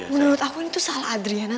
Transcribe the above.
menurut aku ini tuh salah adriana